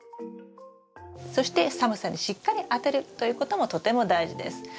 そして寒さにしっかり当てるということもとても大事です。